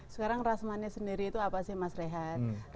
sekarang rasmannya sendiri itu apa sih mas rehat